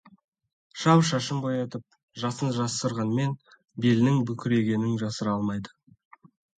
Шал шашын боятып, жасын жасырғанымен, белінің бүкірейгенін жасыра алмайды.